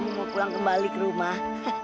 mau pulang kembali ke rumah